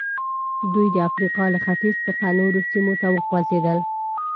دوی د افریقا له ختیځ څخه نورو سیمو ته وخوځېدل.